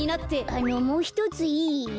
あのもうひとついい？